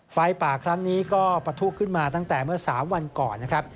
ไฟป่าครั้งนี้ก็ปะทุขึ้นมาตั้งแต่เมื่อ๓วันก่อนนะครับ